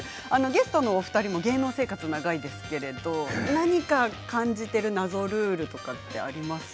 ゲストのお二人も芸能生活長いですけれど何か感じている謎ルールとかってあります？